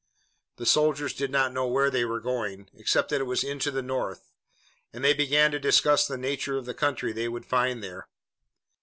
The soldiers did not know where they were going, except that it was into the North, and they began to discuss the nature of the country they would find there.